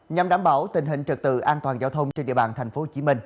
nhằm đảm bảo tình hình trật tự an toàn giao thông trên địa bàn tp hcm